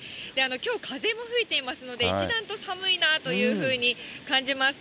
きょう風も吹いていますので、一段と寒いなというふうに感じます。